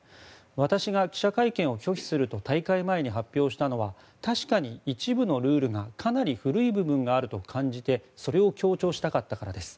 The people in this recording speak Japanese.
私が記者会見を拒否すると大会前に発表したのは確かに一部のルールがかなり古い部分があると感じてそれを強調したかったからです。